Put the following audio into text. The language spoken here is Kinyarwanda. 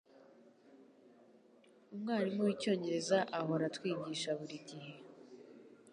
Umwarimu wicyongereza ahora atwigisha burigihe.